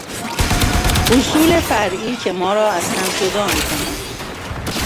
اصول فرعی که ما را از هم جدا میکند